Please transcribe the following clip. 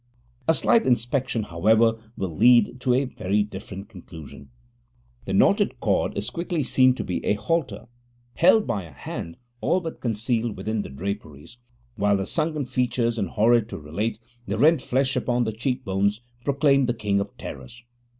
A slight inspection, however, will lead to a very different conclusion. The knotted cord is quickly seen to be a halter, held by a hand all but concealed within the draperies; while the sunken features and, horrid to relate, the rent flesh upon the cheek bones, proclaim the King of Terrors.